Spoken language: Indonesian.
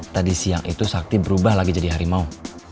tadi siang itu sakti berubah lagi jadi harimau